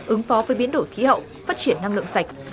ứng phó với biến đổi khí hậu phát triển năng lượng sạch